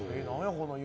この夢。